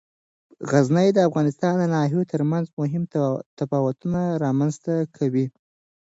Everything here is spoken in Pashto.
غزني د افغانستان د ناحیو ترمنځ مهم تفاوتونه رامنځ ته کوي.